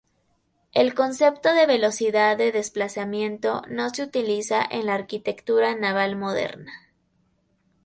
El concepto de velocidad de desplazamiento no se utiliza en la arquitectura naval moderna.